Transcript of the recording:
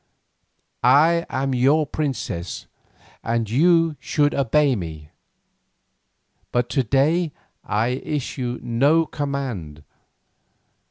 I am your princess, and you should obey me, but to day I issue no command.